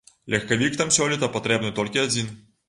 Легкавік там сёлета патрэбны толькі адзін.